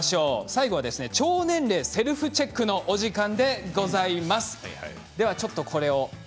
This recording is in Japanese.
最後は、腸年齢セルフチェックのお時間でございます。